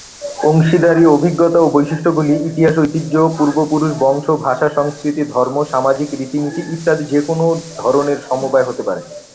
অংশীদারী অভিজ্ঞতা ও বৈশিষ্ট্যগুলি ইতিহাস, ঐতিহ্য, পূর্বপুরুষ, বংশ, ভাষা, সংস্কৃতি, ধর্ম, সামাজিক রীতিনীতি, ইত্যাদির যেকোনও ধরনের সমবায় হতে পারে।